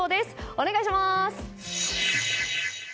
お願いします。